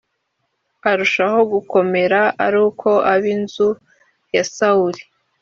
arushaho gukomera ariko ab inzu ya Sawuli